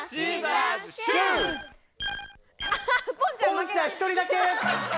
ポンちゃん１人だけ！